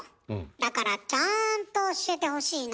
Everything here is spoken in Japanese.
だからちゃんと教えてほしいの。